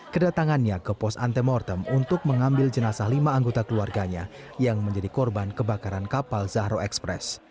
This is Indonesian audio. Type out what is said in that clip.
kedatangannya ke pos antemortem untuk mengambil jenazah lima anggota keluarganya yang menjadi korban kebakaran kapal zahro express